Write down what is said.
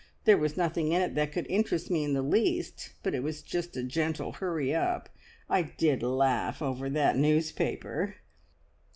There was nothing in it that could interest me in the least, but it was just a gentle hurry up. I did laugh over that newspaper!"